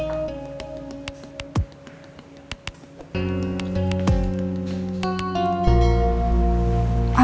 oh ini ada